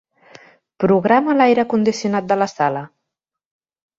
Programa l'aire condicionat de la sala.